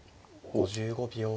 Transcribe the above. ５５秒。